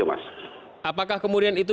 apakah kemudian itu